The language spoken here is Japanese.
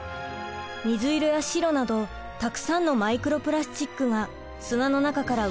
水色や白などたくさんのマイクロプラスチックが砂の中から浮いてきました。